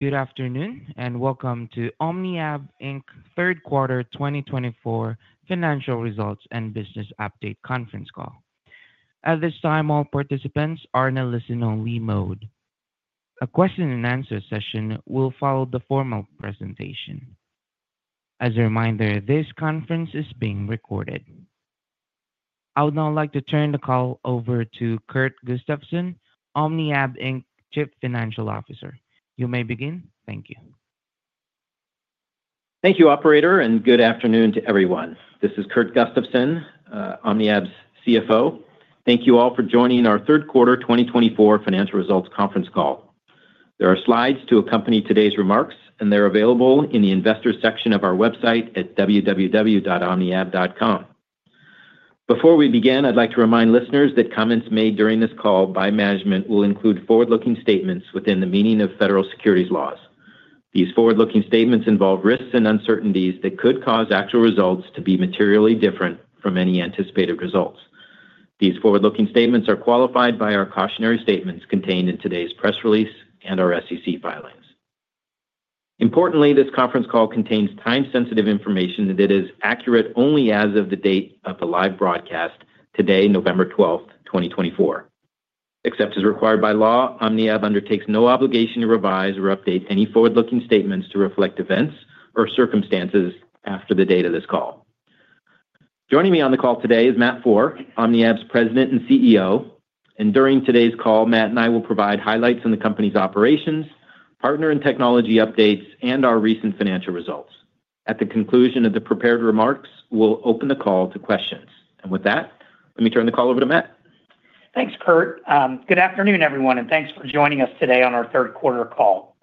Good afternoon and welcome to OmniAb Inc. Q3 2024 Financial Results and Business Update Conference Call. At this time, all participants are in a listen-only mode. A question-and-answer session will follow the formal presentation. As a reminder, this conference is being recorded. I would now like to turn the call over to Kurt Gustafson, OmniAb Inc. Chief Financial Officer. You may begin. Thank you. Thank you, Operator, and good afternoon to everyone. This is Kurt Gustafson, OmniAb's CFO. Thank you all for joining our Q3 2024 financial results conference call. There are slides to accompany today's remarks, and they're available in the Investor section of our website at www.omniab.com. Before we begin, I'd like to remind listeners that comments made during this call by management will include forward-looking statements within the meaning of federal securities laws. These forward-looking statements involve risks and uncertainties that could cause actual results to be materially different from any anticipated results. These forward-looking statements are qualified by our cautionary statements contained in today's press release and our SEC filings. Importantly, this conference call contains time-sensitive information that is accurate only as of the date of the live broadcast today, November 12, 2024. Except as required by law, OmniAb undertakes no obligation to revise or update any forward-looking statements to reflect events or circumstances after the date of this call. Joining me on the call today is Matt Foehr, OmniAb's President and CEO, and during today's call, Matt and I will provide highlights in the company's operations, partner and technology updates, and our recent financial results. At the conclusion of the prepared remarks, we'll open the call to questions, and with that, let me turn the call over to Matt. Thanks, Kurt. Good afternoon, everyone, and thanks for joining us today on our Q3 call.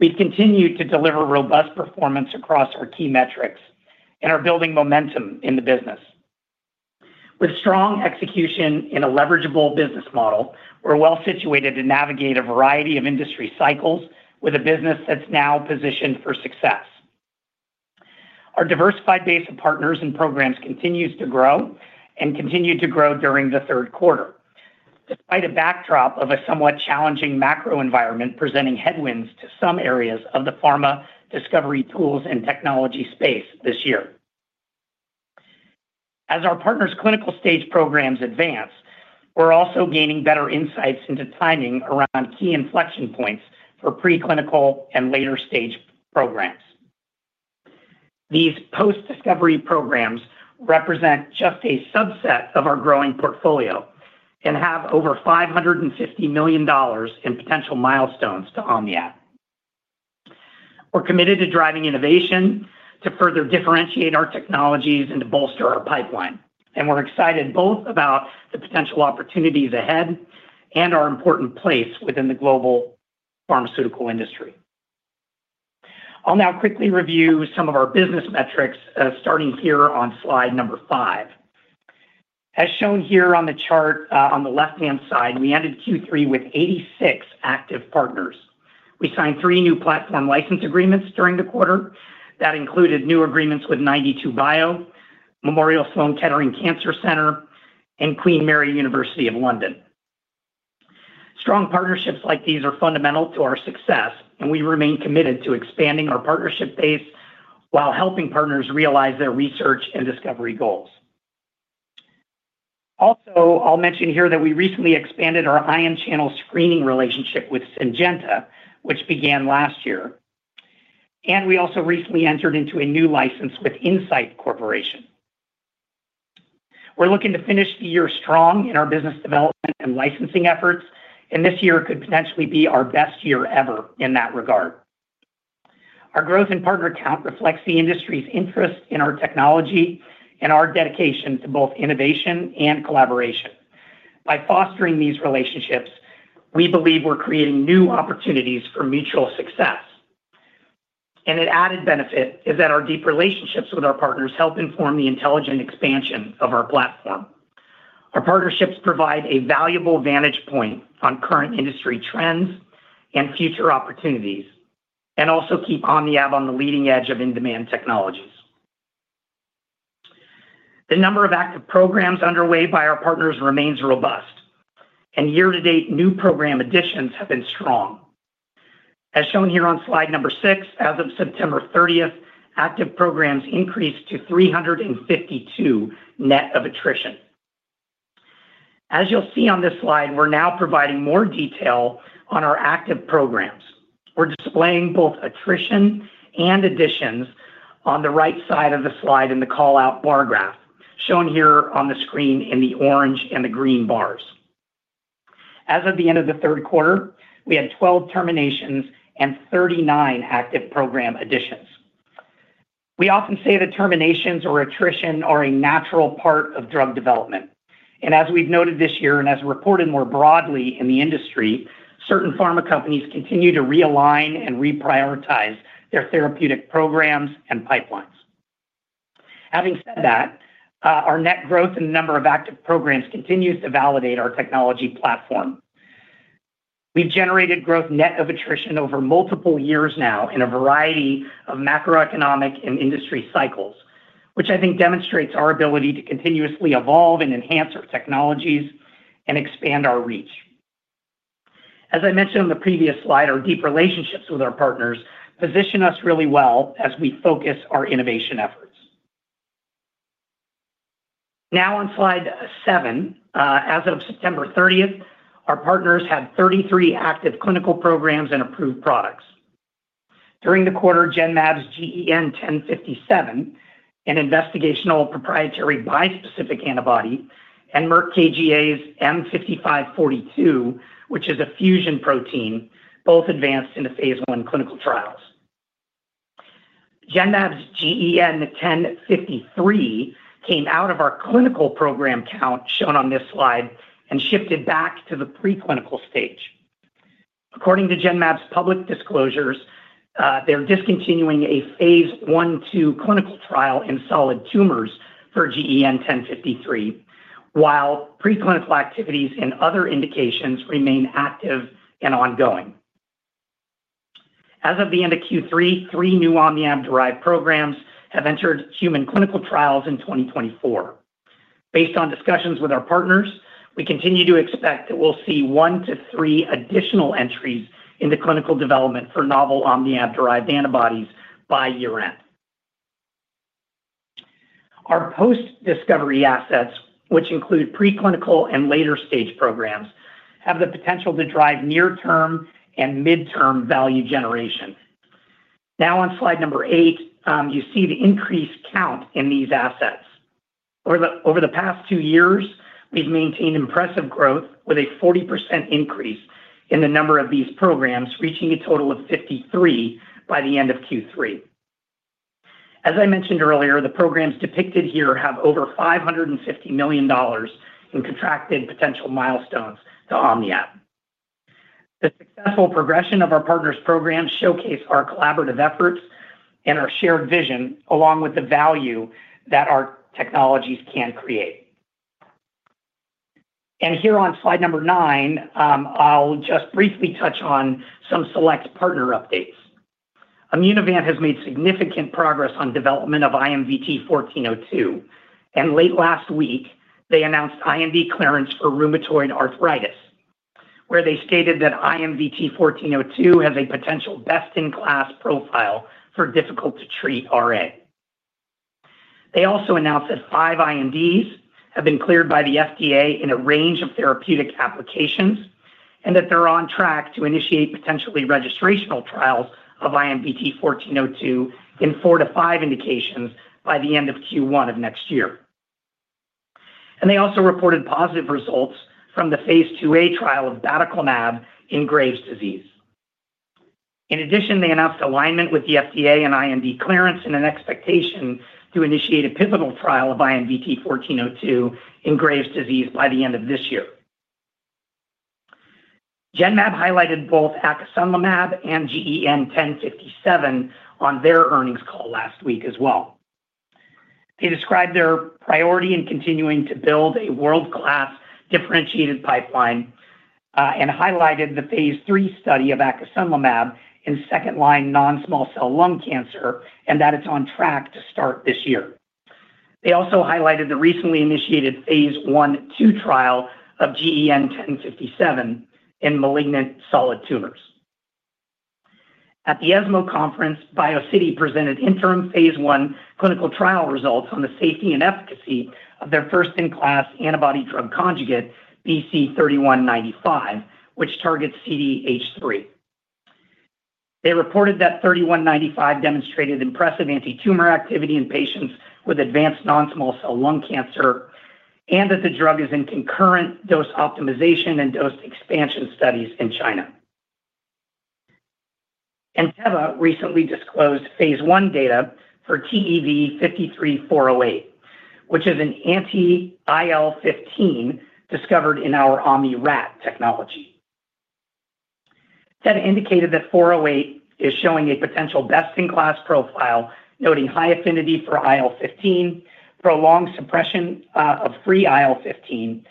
We've continued to deliver robust performance across our key metrics and are building momentum in the business. With strong execution and a leverageable business model, we're well situated to navigate a variety of industry cycles with a business that's now positioned for success. Our diversified base of partners and programs continues to grow and continued to grow during the Q3, despite a backdrop of a somewhat challenging macro environment presenting headwinds to some areas of the pharma, discovery, tools, and technology space this year. As our partners' clinical stage programs advance, we're also gaining better insights into timing around key inflection points for preclinical and later-stage programs. These post-discovery programs represent just a subset of our growing portfolio and have over $550 million in potential milestones to OmniAb. We're committed to driving innovation, to further differentiate our technologies, and to bolster our pipeline. And we're excited both about the potential opportunities ahead and our important place within the global pharmaceutical industry. I'll now quickly review some of our business metrics starting here on slide number five. As shown here on the chart on the left-hand side, we ended Q3 with 86 active partners. We signed three new platform license agreements during the quarter. That included new agreements with 92Bio, Memorial Sloan Kettering Cancer Center, and Queen Mary University of London. Strong partnerships like these are fundamental to our success, and we remain committed to expanding our partnership base while helping partners realize their research and discovery goals. Also, I'll mention here that we recently expanded our ion channel screening relationship with Syngenta, which began last year. And we also recently entered into a new license with Orion Corporation. We're looking to finish the year strong in our business development and licensing efforts, and this year could potentially be our best year ever in that regard. Our growth in partner count reflects the industry's interest in our technology and our dedication to both innovation and collaboration. By fostering these relationships, we believe we're creating new opportunities for mutual success, and an added benefit is that our deep relationships with our partners help inform the intelligent expansion of our platform. Our partnerships provide a valuable vantage point on current industry trends and future opportunities, and also keep OmniAb on the leading edge of in-demand technologies. The number of active programs underway by our partners remains robust, and year-to-date new program additions have been strong. As shown here on slide number six, as of September 30, active programs increased to 352 net of attrition. As you'll see on this slide, we're now providing more detail on our active programs. We're displaying both attrition and additions on the right side of the slide in the call-out bar graph, shown here on the screen in the orange and the green bars. As of the end of the Q3, we had 12 terminations and 39 active program additions. We often say that terminations or attrition are a natural part of drug development, and as we've noted this year and as reported more broadly in the industry, certain pharma companies continue to realign and reprioritize their therapeutic programs and pipelines. Having said that, our net growth and number of active programs continues to validate our technology platform. We've generated growth net of attrition over multiple years now in a variety of macroeconomic and industry cycles, which I think demonstrates our ability to continuously evolve and enhance our technologies and expand our reach. As I mentioned on the previous slide, our deep relationships with our partners position us really well as we focus our innovation efforts. Now on slide 7, as of September 30, our partners had 33 active clinical programs and approved products. During the quarter, Genmab's GEN1057, an investigational proprietary bispecific antibody, and Merck KGaA's M5542, which is a fusion protein, both advanced into phase I clinical trials. Genmab's GEN1053 came out of our clinical program count shown on this slide and shifted back to the preclinical stage. According to Genmab's public disclosures, they're discontinuing a phase II clinical trial in solid tumors for GEN1053, while preclinical activities in other indications remain active and ongoing. As of the end of Q3, three new OmniAb-derived programs have entered human clinical trials in 2024. Based on discussions with our partners, we continue to expect that we'll see one to three additional entries in the clinical development for novel OmniAb-derived antibodies by year-end. Our post-discovery assets, which include preclinical and later-stage programs, have the potential to drive near-term and mid-term value generation. Now on slide number 8, you see the increased count in these assets. Over the past two years, we've maintained impressive growth with a 40% increase in the number of these programs, reaching a total of 53 by the end of Q3. As I mentioned earlier, the programs depicted here have over $550 million in contracted potential milestones to OmniAb. The successful progression of our partners' programs showcases our collaborative efforts and our shared vision, along with the value that our technologies can create. Here on slide number nine, I'll just briefly touch on some select partner updates. Immunovant has made significant progress on development of IMVT-1402. Late last week, they announced IND clearance for rheumatoid arthritis, where they stated that IMVT-1402 has a potential best-in-class profile for difficult-to-treat RA. They also announced that five INDs have been cleared by the FDA in a range of therapeutic applications and that they're on track to initiate potentially registrational trials of IMVT-1402 in four to five indications by the end of Q1 of next year. They also reported positive results from the phase IIa trial of batoclimab in Graves' disease. In addition, they announced alignment with the FDA and IND clearance and an expectation to initiate a pivotal trial of IMVT-1402 in Graves' disease by the end of this year. Genmab highlighted both acisunlimab and GEN1057 on their earnings call last week as well. They described their priority in continuing to build a world-class differentiated pipeline and highlighted the phase III study of acisunlimab in second-line non-small cell lung cancer and that it's on track to start this year. They also highlighted the recently initiated phase II trial of GEN1057 in malignant solid tumors. At the ESMO conference, BioCity presented interim phase I clinical trial results on the safety and efficacy of their first-in-class antibody-drug conjugate, BC3195, which targets CDH3. They reported that 3195 demonstrated impressive anti-tumor activity in patients with advanced non-small cell lung cancer and that the drug is in concurrent dose optimization and dose expansion studies in China. Teva recently disclosed phase I data for TEV-53408, which is an anti-IL-15 discovered in our OmniRat technology. Teva indicated that 408 is showing a potential best-in-class profile, noting high affinity for IL-15, prolonged suppression of free IL-15,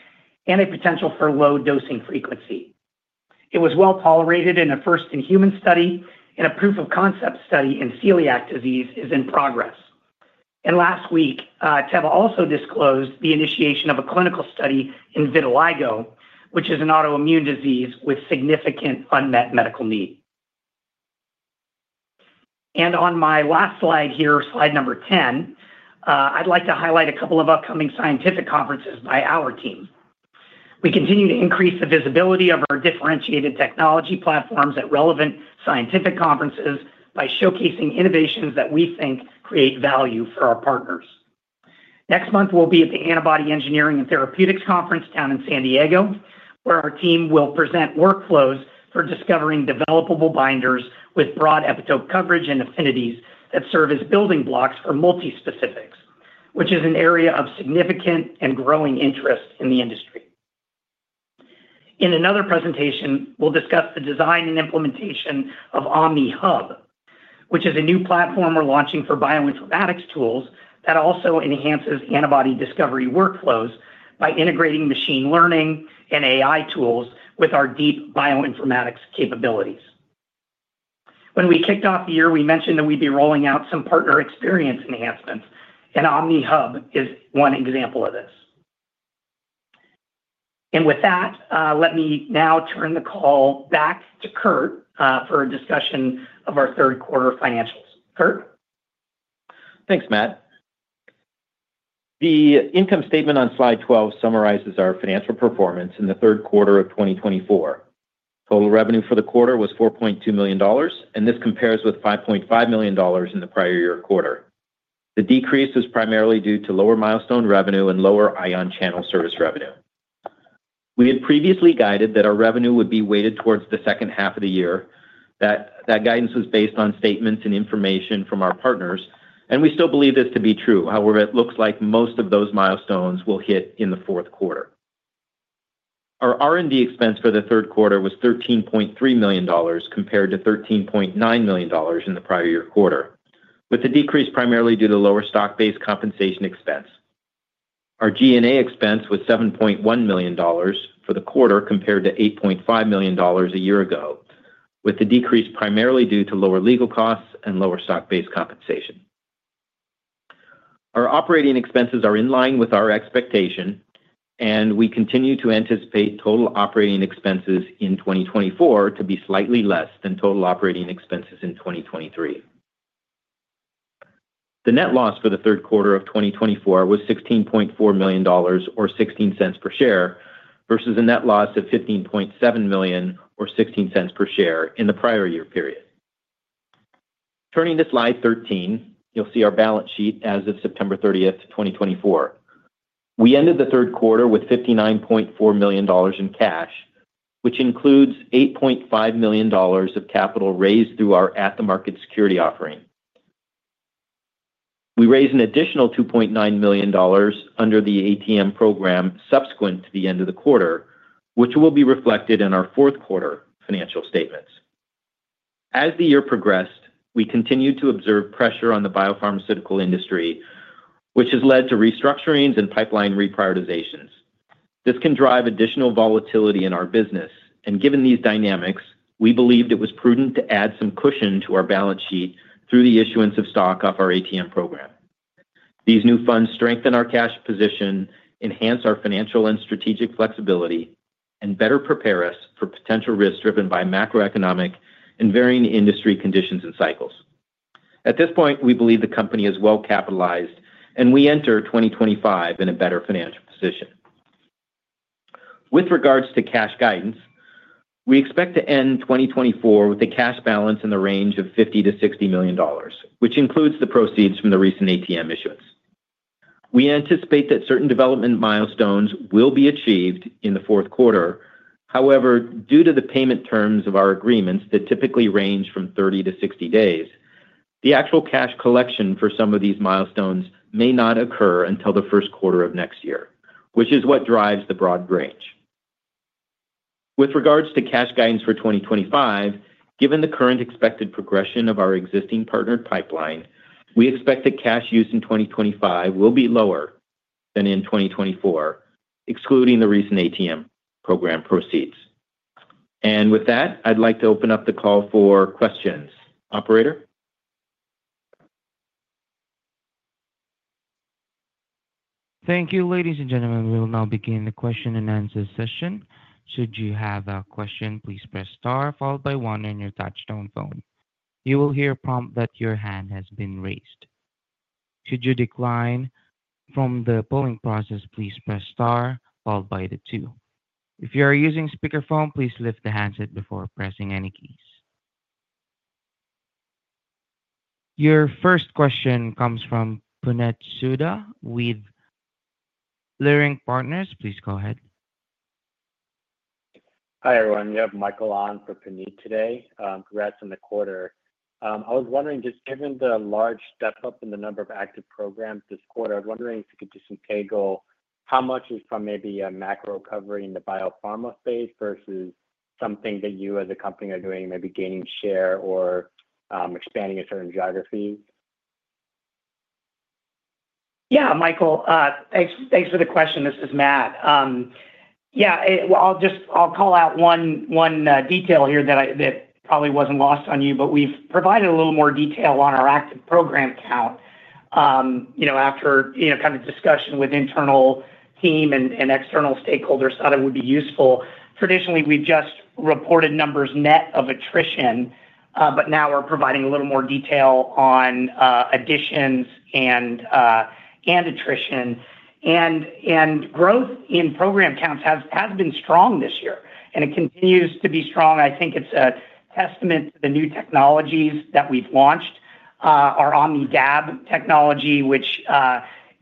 and a potential for low dosing frequency. It was well tolerated in a first-in-human study, and a proof-of-concept study in celiac disease is in progress. Last week, Teva also disclosed the initiation of a clinical study in vitiligo, which is an autoimmune disease with significant unmet medical need. On my last slide here, slide number 10, I'd like to highlight a couple of upcoming scientific conferences by our team. We continue to increase the visibility of our differentiated technology platforms at relevant scientific conferences by showcasing innovations that we think create value for our partners. Next month, we'll be at the Antibody Engineering and Therapeutics Conference down in San Diego, where our team will present workflows for discovering developable binders with broad epitope coverage and affinities that serve as building blocks for multi-specifics, which is an area of significant and growing interest in the industry. In another presentation, we'll discuss the design and implementation of OmniHub, which is a new platform we're launching for bioinformatics tools that also enhances antibody discovery workflows by integrating machine learning and AI tools with our deep bioinformatics capabilities. When we kicked off the year, we mentioned that we'd be rolling out some partner experience enhancements, and OmniHub is one example of this. And with that, let me now turn the call back to Kurt for a discussion of our Q3 financials. Kurt? Thanks, Matt. The income statement on slide 12 summarizes our financial performance in the Q3 of 2024. Total revenue for the quarter was $4.2 million, and this compares with $5.5 million in the prior year quarter. The decrease is primarily due to lower milestone revenue and lower ion channel service revenue. We had previously guided that our revenue would be weighted towards the second half of the year. That guidance was based on statements and information from our partners, and we still believe this to be true. However, it looks like most of those milestones will hit in the Q4. Our R&D expense for the Q3 was $13.3 million compared to $13.9 million in the prior year quarter, with the decrease primarily due to lower stock-based compensation expense. Our G&A expense was $7.1 million for the quarter compared to $8.5 million a year ago, with the decrease primarily due to lower legal costs and lower stock-based compensation. Our operating expenses are in line with our expectation, and we continue to anticipate total operating expenses in 2024 to be slightly less than total operating expenses in 2023. The net loss for the Q3 of 2024 was $16.4 million, or 16 cents per share, versus a net loss of $15.7 million, or 16 cents per share, in the prior year period. Turning to slide 13, you'll see our balance sheet as of September 30, 2024. We ended the Q3 with $59.4 million in cash, which includes $8.5 million of capital raised through our at-the-market security offering. We raised an additional $2.9 million under the ATM program subsequent to the end of the quarter, which will be reflected in our Q4 financial statements. As the year progressed, we continued to observe pressure on the biopharmaceutical industry, which has led to restructurings and pipeline reprioritizations. This can drive additional volatility in our business, and given these dynamics, we believed it was prudent to add some cushion to our balance sheet through the issuance of stock off our ATM program. These new funds strengthen our cash position, enhance our financial and strategic flexibility, and better prepare us for potential risks driven by macroeconomic and varying industry conditions and cycles. At this point, we believe the company is well capitalized, and we enter 2025 in a better financial position. With regards to cash guidance, we expect to end 2024 with a cash balance in the range of $50-$60 million, which includes the proceeds from the recent ATM issuance. We anticipate that certain development milestones will be achieved in the Q4. However, due to the payment terms of our agreements that typically range from 30 to 60 days, the actual cash collection for some of these milestones may not occur until the first quarter of next year, which is what drives the broad range. With regards to cash guidance for 2025, given the current expected progression of our existing partnered pipeline, we expect that cash use in 2025 will be lower than in 2024, excluding the recent ATM program proceeds. And with that, I'd like to open up the call for questions. Operator? Thank you. Ladies and gentlemen, we will now begin the question and answer session. Should you have a question, please press star followed by one on your touch-tone phone. You will hear a prompt that your hand has been raised. Should you decline from the polling process, please press star followed by two. If you are using speakerphone, please lift the handset before pressing any keys. Your first question comes from Puneet Souda with Leerink Partners. Please go ahead. Hi, everyone. We have Michael on for Puneet today. Congrats on the quarter. I was wondering, just given the large step-up in the number of active programs this quarter, I was wondering if you could disentangle how much is from maybe a macro covering the biopharma space versus something that you as a company are doing, maybe gaining share or expanding in certain geographies? Yeah, Michael, thanks for the question. This is Matt. Yeah, I'll call out one detail here that probably wasn't lost on you, but we've provided a little more detail on our active program count. After kind of discussion with internal team and external stakeholders thought it would be useful, traditionally, we just reported numbers net of attrition, but now we're providing a little more detail on additions and attrition. And growth in program counts has been strong this year, and it continues to be strong. I think it's a testament to the new technologies that we've launched, our OmnidAb technology, which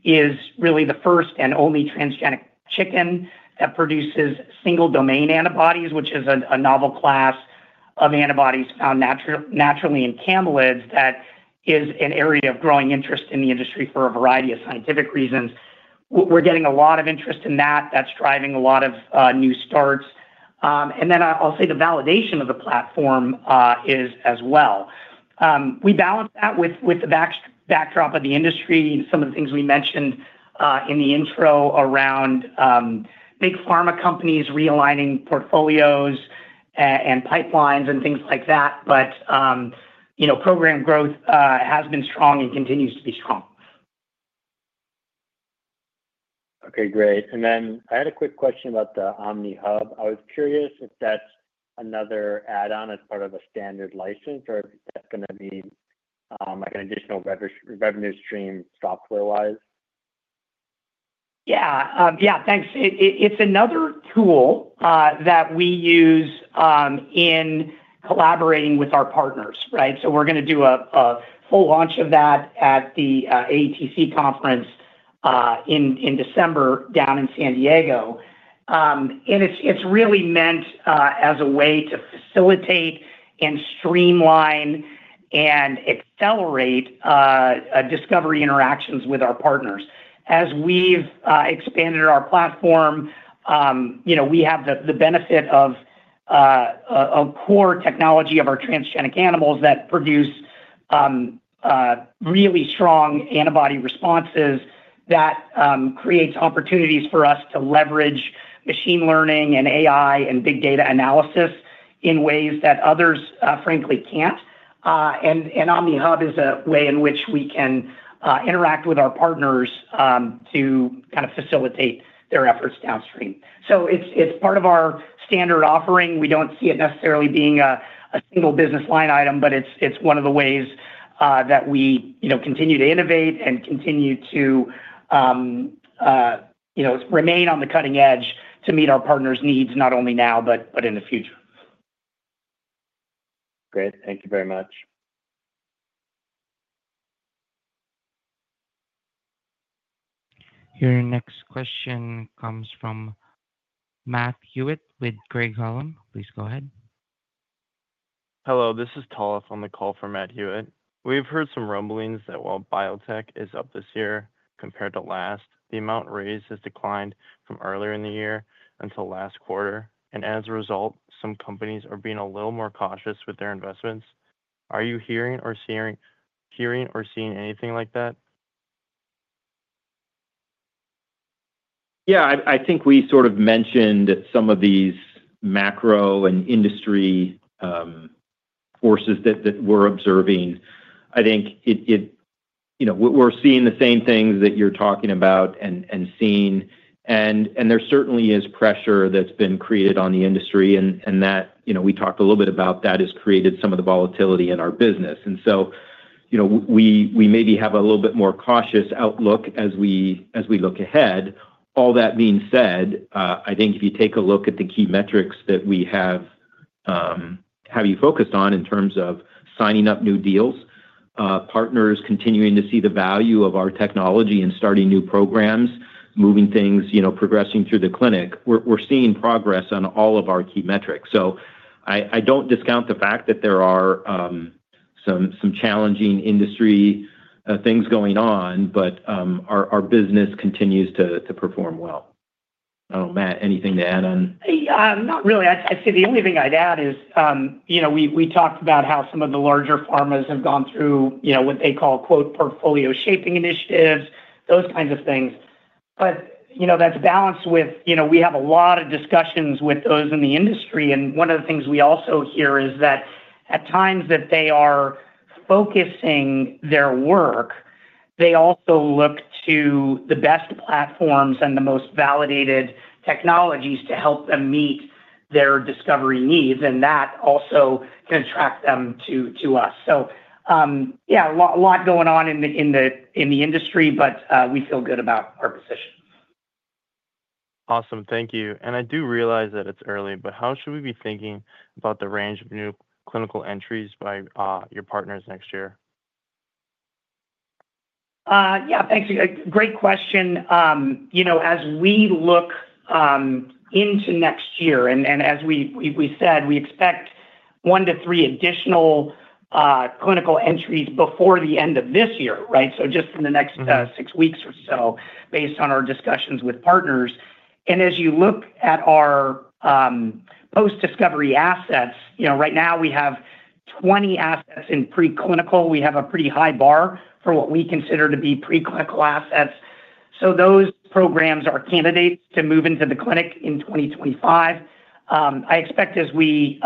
is really the first and only transgenic chicken that produces single-domain antibodies, which is a novel class of antibodies found naturally in camelids that is an area of growing interest in the industry for a variety of scientific reasons. We're getting a lot of interest in that. That's driving a lot of new starts. And then I'll say the validation of the platform is as well. We balance that with the backdrop of the industry and some of the things we mentioned in the intro around big pharma companies realigning portfolios and pipelines and things like that. But program growth has been strong and continues to be strong. Okay, great. And then I had a quick question about the OmniHub. I was curious if that's another add-on as part of a standard license or if that's going to be an additional revenue stream software-wise? Yeah, yeah, thanks. It's another tool that we use in collaborating with our partners, right? So we're going to do a full launch of that at the AETC conference in December down in San Diego, and it's really meant as a way to facilitate and streamline and accelerate discovery interactions with our partners. As we've expanded our platform, we have the benefit of a core technology of our transgenic animals that produce really strong antibody responses that creates opportunities for us to leverage machine learning and AI and big data analysis in ways that others, frankly, can't, and OmniHub is a way in which we can interact with our partners to kind of facilitate their efforts downstream. So it's part of our standard offering. We don't see it necessarily being a single business line item, but it's one of the ways that we continue to innovate and continue to remain on the cutting edge to meet our partners' needs, not only now, but in the future. Great. Thank you very much. Your next question comes from Matt Hewitt with Craig-Hallum. Please go ahead. Hello, this is Tyler from the call for Matt Hewitt. We've heard some rumblings that while biotech is up this year compared to last, the amount raised has declined from earlier in the year until last quarter, and as a result, some companies are being a little more cautious with their investments. Are you hearing or seeing anything like that? Yeah, I think we sort of mentioned some of these macro and industry forces that we're observing. I think we're seeing the same things that you're talking about and seeing. And there certainly is pressure that's been created on the industry, and that we talked a little bit about that has created some of the volatility in our business. And so we maybe have a little bit more cautious outlook as we look ahead. All that being said, I think if you take a look at the key metrics that we have heavily focused on in terms of signing up new deals, partners continuing to see the value of our technology and starting new programs, moving things, progressing through the clinic, we're seeing progress on all of our key metrics. So I don't discount the fact that there are some challenging industry things going on, but our business continues to perform well. I don't know, Matt, anything to add on? Not really. I'd say the only thing I'd add is we talked about how some of the larger pharmas have gone through what they call "portfolio shaping initiatives," those kinds of things, but that's balanced with we have a lot of discussions with those in the industry, and one of the things we also hear is that at times that they are focusing their work, they also look to the best platforms and the most validated technologies to help them meet their discovery needs, and that also can attract them to us, so yeah, a lot going on in the industry, but we feel good about our position. Awesome. Thank you. And I do realize that it's early, but how should we be thinking about the range of new clinical entries by your partners next year? Yeah, thanks. Great question. As we look into next year, and as we said, we expect one to three additional clinical entries before the end of this year, right? So just in the next six weeks or so, based on our discussions with partners. And as you look at our post-discovery assets, right now we have 20 assets in preclinical. We have a pretty high bar for what we consider to be preclinical assets. So those programs are candidates to move into the clinic in 2025. I expect as we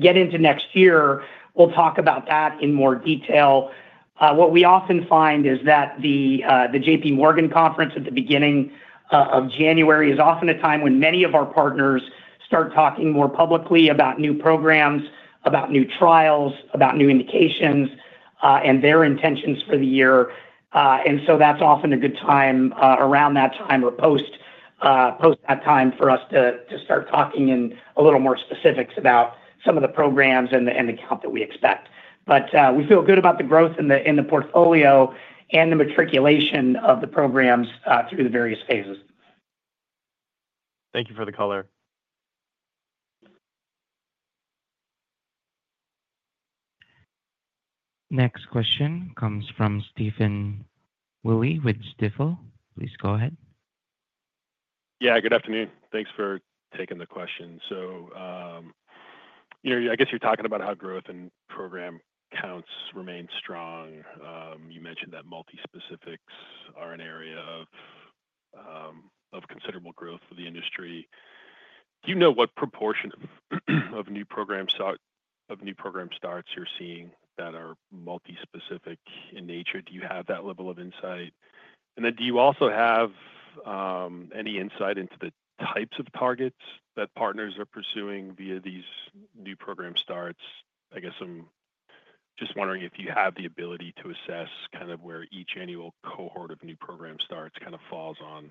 get into next year, we'll talk about that in more detail. What we often find is that the J.P. Morgan conference at the beginning of January is often a time when many of our partners start talking more publicly about new programs, about new trials, about new indications, and their intentions for the year. And so that's often a good time around that time or post that time for us to start talking in a little more specifics about some of the programs and the count that we expect. But we feel good about the growth in the portfolio and the matriculation of the programs through the various phases. Thank you for the color. Next question comes from Stephen Willey with Stifel. Please go ahead. Yeah, good afternoon. Thanks for taking the question. So I guess you're talking about how growth and program counts remain strong. You mentioned that multi-specifics are an area of considerable growth for the industry. Do you know what proportion of new program starts you're seeing that are multi-specific in nature? Do you have that level of insight? And then do you also have any insight into the types of targets that partners are pursuing via these new program starts? I guess I'm just wondering if you have the ability to assess kind of where each annual cohort of new program starts kind of falls on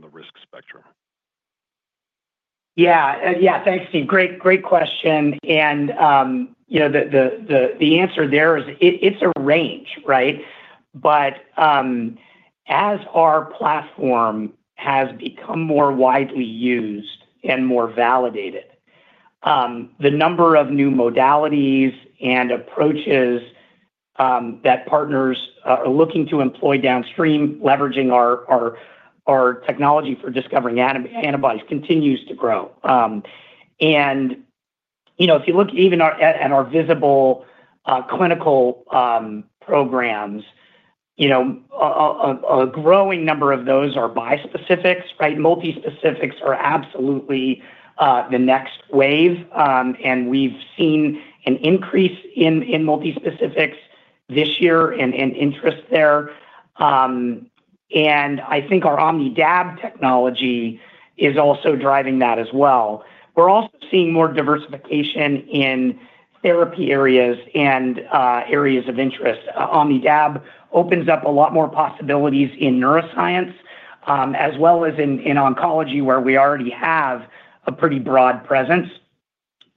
the risk spectrum. Yeah, yeah, thanks, Steve. Great question, and the answer there is it's a range, right? But as our platform has become more widely used and more validated, the number of new modalities and approaches that partners are looking to employ downstream, leveraging our technology for discovering antibodies, continues to grow, and if you look even at our visible clinical programs, a growing number of those are bispecifics, right? Multispecifics are absolutely the next wave. And we've seen an increase in multispecifics this year and interest there, and I think our OmniDab technology is also driving that as well. We're also seeing more diversification in therapy areas and areas of interest. OmniDab opens up a lot more possibilities in neuroscience as well as in oncology, where we already have a pretty broad presence.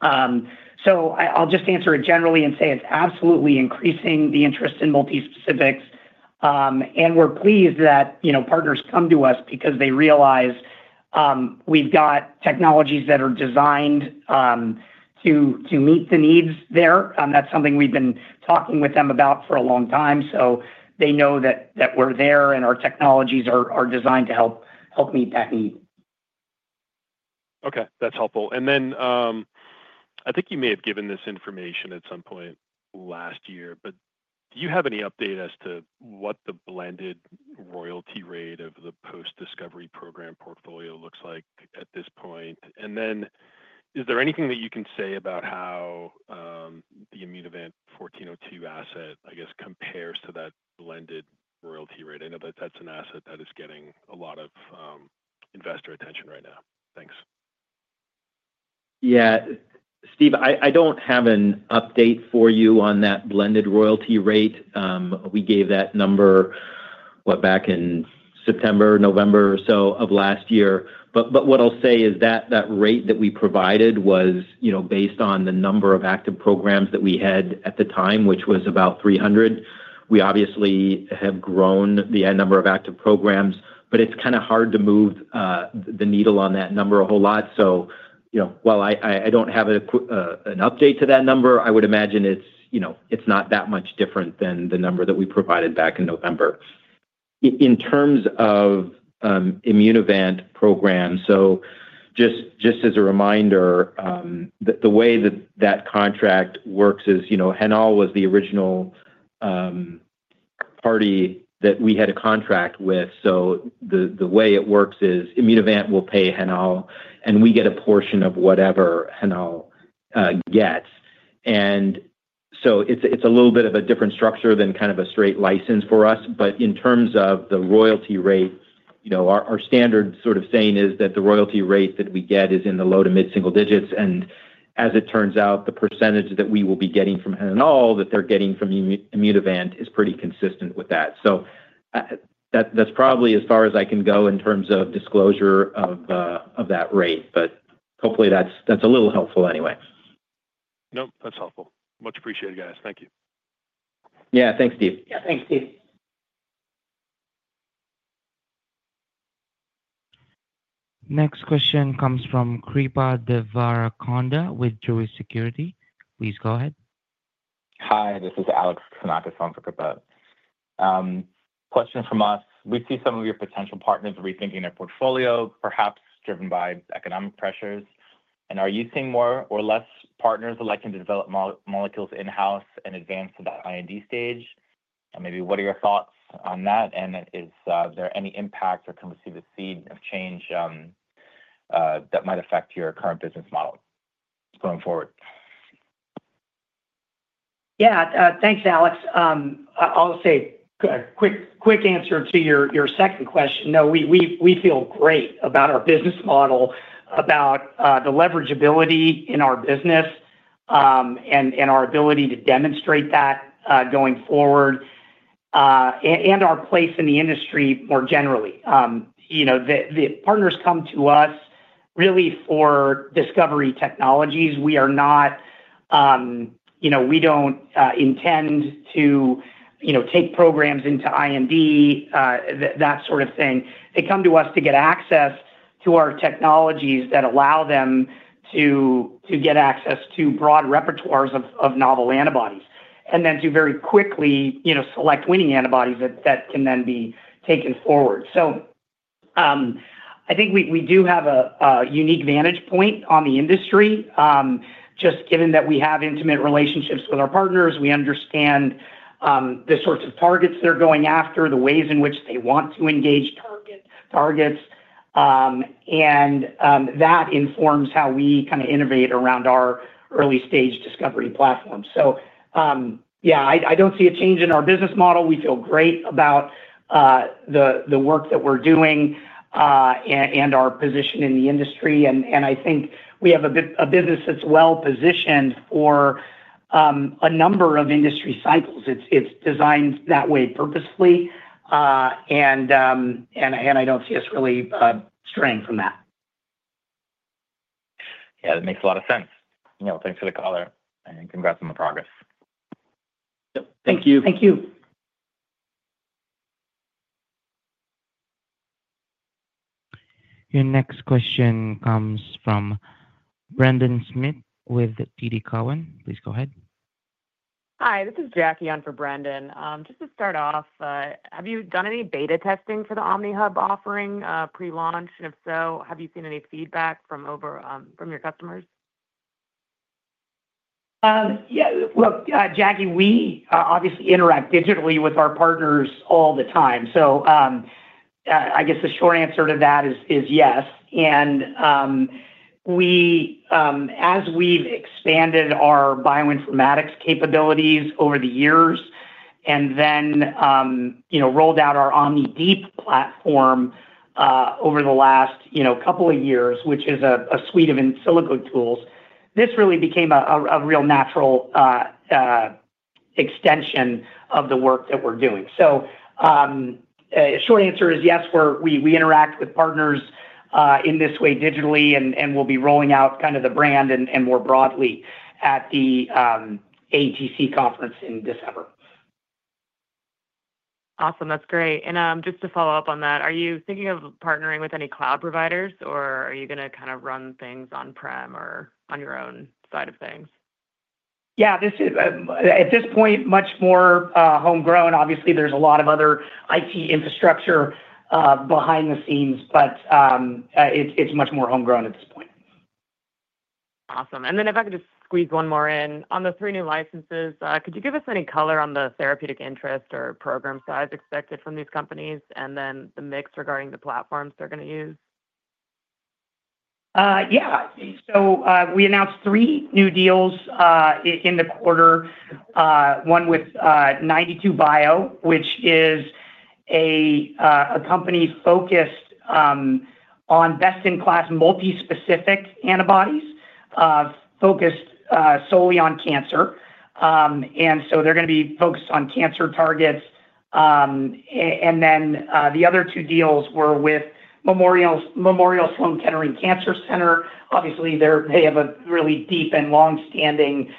So I'll just answer it generally and say it's absolutely increasing the interest in multispecifics. And we're pleased that partners come to us because they realize we've got technologies that are designed to meet the needs there. That's something we've been talking with them about for a long time. So they know that we're there and our technologies are designed to help meet that need. Okay, that's helpful. And then I think you may have given this information at some point last year, but do you have any update as to what the blended royalty rate of the post-discovery program portfolio looks like at this point? And then is there anything that you can say about how the IMVT-1402 asset, I guess, compares to that blended royalty rate? I know that that's an asset that is getting a lot of investor attention right now. Thanks. Yeah, Steve, I don't have an update for you on that blended royalty rate. We gave that number back in September, November or so of last year. But what I'll say is that that rate that we provided was based on the number of active programs that we had at the time, which was about 300. We obviously have grown the number of active programs, but it's kind of hard to move the needle on that number a whole lot. So while I don't have an update to that number, I would imagine it's not that much different than the number that we provided back in November. In terms of Immunovant programs, so just as a reminder, the way that that contract works is HanAll was the original party that we had a contract with. So the way it works is Immunovant will pay HanAll, and we get a portion of whatever HanAll gets. And so it's a little bit of a different structure than kind of a straight license for us. But in terms of the royalty rate, our standard sort of saying is that the royalty rate that we get is in the low to mid-single digits. And as it turns out, the percentage that we will be getting from HanAll that they're getting from Immunovant is pretty consistent with that. So that's probably as far as I can go in terms of disclosure of that rate. But hopefully that's a little helpful anyway. Nope, that's helpful. Much appreciated, guys. Thank you. Yeah, thanks, Steve. Yeah, thanks, Steve. Next question comes from Kripa Devarikonda with Truist Securities. Please go ahead. Hi, this is Alex Krafka for Kripa. Question from us. We see some of your potential partners rethinking their portfolio, perhaps driven by economic pressures. Are you seeing more or less partners likely to develop molecules in-house and advance to that IND stage? And maybe what are your thoughts on that? And is there any impact or can we see the seed of change that might affect your current business model going forward? Yeah, thanks, Alex. I'll say a quick answer to your second question. No, we feel great about our business model, about the leverageability in our business and our ability to demonstrate that going forward, and our place in the industry more generally. The partners come to us really for discovery technologies. We don't intend to take programs into IND, that sort of thing. They come to us to get access to our technologies that allow them to get access to broad repertoires of novel antibodies and then to very quickly select winning antibodies that can then be taken forward. So I think we do have a unique vantage point on the industry. Just given that we have intimate relationships with our partners, we understand the sorts of targets they're going after, the ways in which they want to engage targets. And that informs how we kind of innovate around our early-stage discovery platform. So yeah, I don't see a change in our business model. We feel great about the work that we're doing and our position in the industry. And I think we have a business that's well-positioned for a number of industry cycles. It's designed that way purposefully, and I don't see us really straying from that. Yeah, that makes a lot of sense. Thanks for the color. And congrats on the progress. Thank you. Thank you. Your next question comes from Brendan Smith with TD Cowen. Please go ahead. Hi, this is Jackie on for Brendan. Just to start off, have you done any beta testing for the OmniHub offering pre-launch? And if so, have you seen any feedback from your customers? Yeah. Well, Jackie, we obviously interact digitally with our partners all the time. So I guess the short answer to that is yes. And as we've expanded our bioinformatics capabilities over the years and then rolled out our OmniDeep platform over the last couple of years, which is a suite of in silico tools, this really became a real natural extension of the work that we're doing. So short answer is yes, we interact with partners in this way digitally, and we'll be rolling out kind of the brand and more broadly at the AETC conference in December. Awesome. That's great. And just to follow up on that, are you thinking of partnering with any cloud providers, or are you going to kind of run things on-prem or on your own side of things? Yeah, at this point, much more homegrown. Obviously, there's a lot of other IT infrastructure behind the scenes, but it's much more homegrown at this point. Awesome. And then if I could just squeeze one more in. On the three new licenses, could you give us any color on the therapeutic interest or program size expected from these companies and then the mix regarding the platforms they're going to use? Yeah. So we announced three new deals in the quarter, one with 92Bio, which is a company focused on best-in-class multi-specific antibodies focused solely on cancer. And so they're going to be focused on cancer targets. And then the other two deals were with Memorial Sloan Kettering Cancer Center. Obviously, they have a really deep and long-standing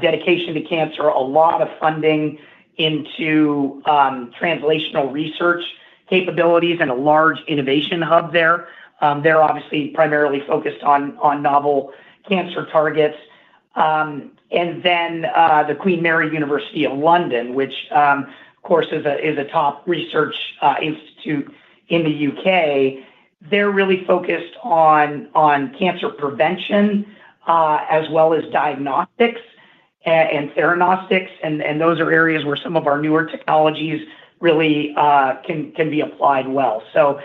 dedication to cancer, a lot of funding into translational research capabilities and a large innovation hub there. They're obviously primarily focused on novel cancer targets. And then the Queen Mary University of London, which, of course, is a top research institute in the UK, they're really focused on cancer prevention as well as diagnostics and theranostics. And those are areas where some of our newer technologies really can be applied well. So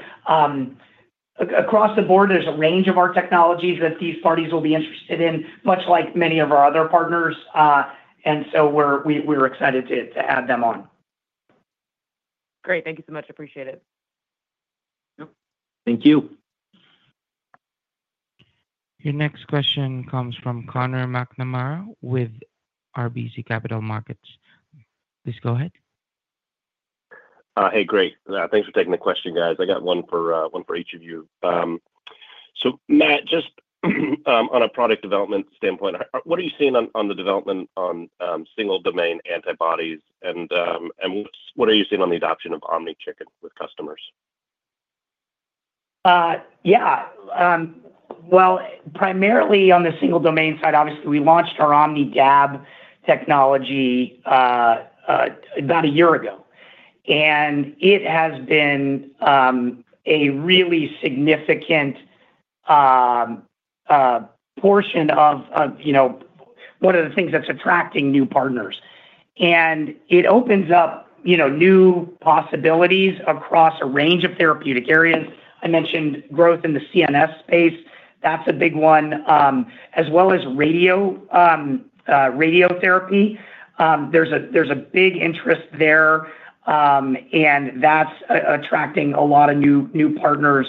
across the board, there's a range of our technologies that these parties will be interested in, much like many of our other partners. And so we're excited to add them on. Great. Thank you so much. Appreciate it. Thank you. Your next question comes from Connor McNamara with RBC Capital Markets. Please go ahead. Hey, great. Thanks for taking the question, guys. I got one for each of you. So Matt, just on a product development standpoint, what are you seeing on the development of single-domain antibodies? And what are you seeing on the adoption of OmniChicken with customers? Yeah. Well, primarily on the single-domain side, obviously, we launched our OmniDab technology about a year ago. And it has been a really significant portion of one of the things that's attracting new partners. And it opens up new possibilities across a range of therapeutic areas. I mentioned growth in the CNS space. That's a big one, as well as radiotherapy. There's a big interest there, and that's attracting a lot of new partners.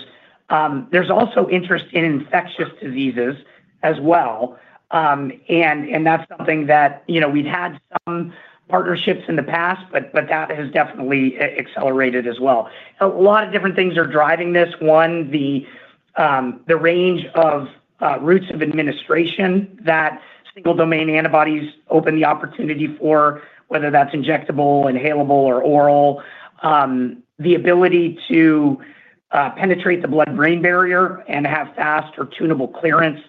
There's also interest in infectious diseases as well. And that's something that we've had some partnerships in the past, but that has definitely accelerated as well. A lot of different things are driving this. One, the range of routes of administration that single-domain antibodies open the opportunity for, whether that's injectable, inhalable, or oral. The ability to penetrate the blood-brain barrier and have fast or tunable clearance.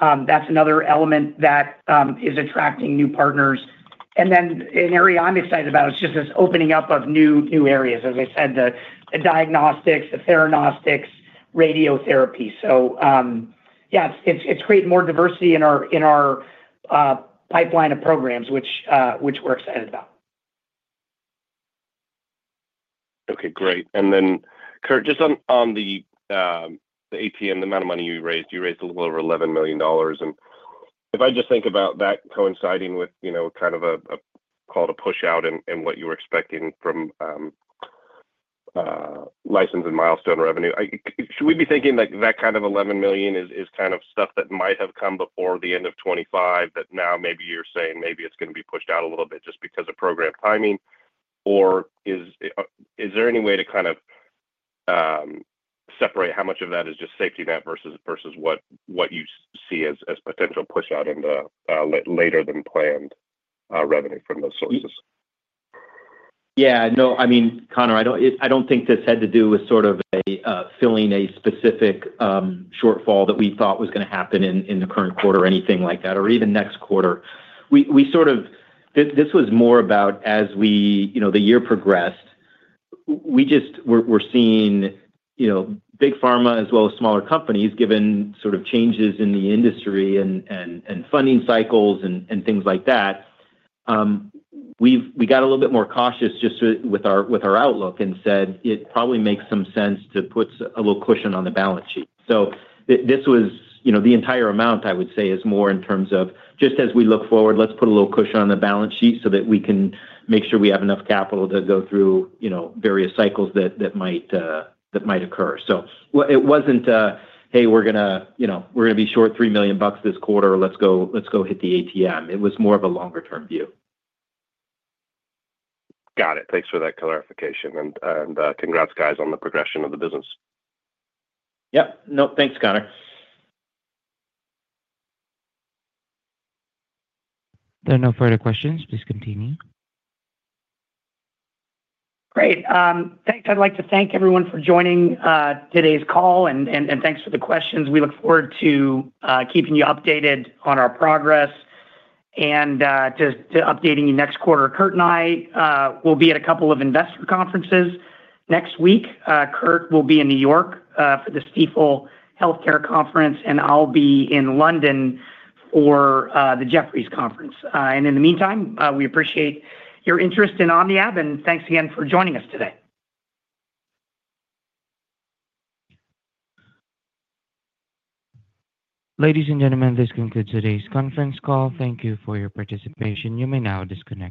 That's another element that is attracting new partners. Then an area I'm excited about is just this opening up of new areas, as I said, the diagnostics, the theranostics, radiotherapy. So yeah, it's creating more diversity in our pipeline of programs, which we're excited about. Okay, great. And then, Kurt, just on the ATM, the amount of money you raised, you raised a little over $11 million. And if I just think about that coinciding with kind of a call to push out and what you were expecting from license and milestone revenue, should we be thinking that kind of 11 million is kind of stuff that might have come before the end of 2025, that now maybe you're saying maybe it's going to be pushed out a little bit just because of program timing? Or is there any way to kind of separate how much of that is just safety net versus what you see as potential push out into later than planned revenue from those sources? Yeah. No, I mean, Connor, I don't think this had to do with sort of filling a specific shortfall that we thought was going to happen in the current quarter or anything like that, or even next quarter. We sort of this was more about as the year progressed, we just were seeing big pharma as well as smaller companies, given sort of changes in the industry and funding cycles and things like that. We got a little bit more cautious just with our outlook and said, "It probably makes some sense to put a little cushion on the balance sheet." So this was the entire amount, I would say, is more in terms of just as we look forward, let's put a little cushion on the balance sheet so that we can make sure we have enough capital to go through various cycles that might occur. It wasn't, "Hey, we're going to be short $3 million this quarter. Let's go hit the ATM." It was more of a longer-term view. Got it. Thanks for that clarification. And congrats, guys, on the progression of the business. Yep. No, thanks, Connor. There are no further questions. Please continue. Great. Thanks. I'd like to thank everyone for joining today's call, and thanks for the questions. We look forward to keeping you updated on our progress and to updating you next quarter. Kurt and I will be at a couple of investor conferences next week. Kurt will be in New York for the Stifel Healthcare Conference, and I'll be in London for the Jefferies Conference, and in the meantime, we appreciate your interest in OmniAb, and thanks again for joining us today. Ladies and gentlemen, this concludes today's conference call. Thank you for your participation. You may now disconnect.